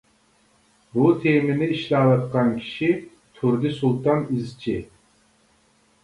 بۇ تېمىنى ئىشلەۋاتقان كىشى تۇردى سۇلتان ئىزچى.